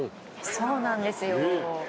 「そうなんですよ」